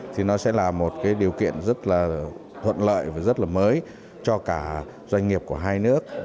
thì nó sẽ là một điều kiện rất thuận lợi và rất mới cho cả doanh nghiệp của hai nước